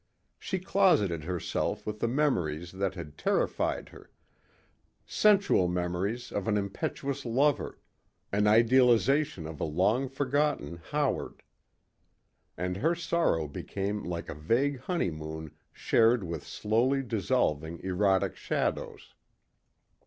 She closeted herself with the memories that had terrified her sensual memories of an impetuous lover, an idealization of a long forgotten Howard. And her sorrow became like a vague honeymoon shared with slowly dissolving erotic shadows.